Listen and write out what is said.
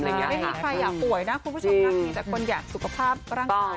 ไม่ให้ใครป่วยนะคุณผู้ชมทุกคนอยากสุขภาพร่างกาย